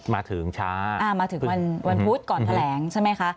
มาถึงช้ามาถึงวันพุธก่อนแถลงใช่ไหมคะ